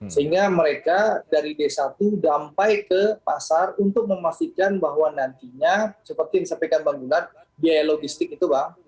sehingga mereka dari desa itu dampai ke pasar untuk memastikan bahwa nantinya seperti yang disampaikan bang gunad biaya logistik itu bang